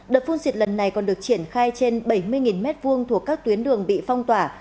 đợt phun xịt lần này còn được triển khai trên bảy mươi m hai thuộc các tuyến đường bị phong tỏa